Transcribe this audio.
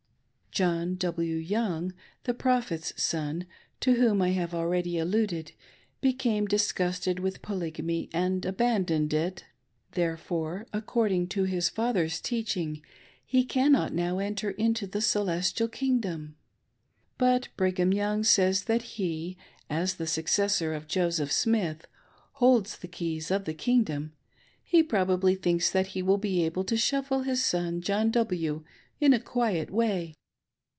John W. Young, the Prophet's son, to whom I have already alluded, became disgusted with Polygamy and abandoned it. Therefore, according to his father's teaching, he cannot now enter into the " Celestial Kingdom." But Brigham Young says that he, as the successor of Joseph Smith, holds the " Keys of the Kingdom," and he probably thinks that he will be able to shuffle his son John W. in, in a quiet way.